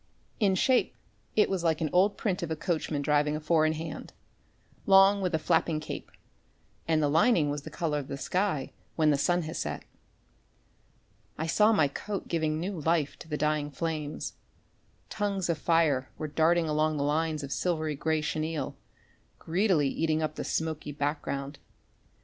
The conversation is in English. In shape it was like an old print of a coachman driving a four in hand, long with a flapping cape, and the lining was the colour of the sky when the sun has set. I saw my coat giving new life to the dying flames. Tongues of fire were darting down the lines of silvery grey chenil, greedily eating up the smoky back ground.